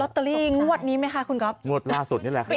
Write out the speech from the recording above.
ลอตเตอรี่งวดนี้ไหมคะคุณครับงวดล่าสุดนี่แหละครับ